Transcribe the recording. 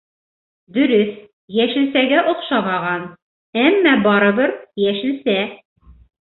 Дөрөҫ, йәшелсәгә оҡшамаған, әммә барыбер —йәшелсә!